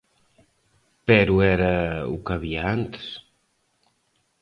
Pero era o que había antes.